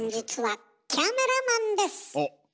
おっ。